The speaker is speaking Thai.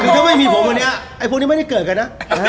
คือถ้าไม่มีผมวันนี้ไอ้พวกนี้ไม่ได้เกิดกันนะ